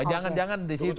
jangan jangan di situ